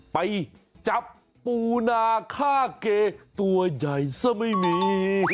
ไปจับปูนาฆ่าเกตัวใหญ่ซะไม่มี